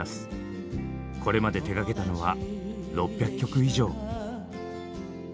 これまで手がけたのは６００曲以上。